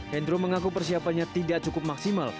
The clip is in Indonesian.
hendro mengaku persiapannya tidak cukup maksimal